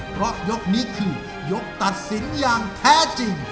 เพราะยกนี้คือยกตัดสินอย่างแท้จริง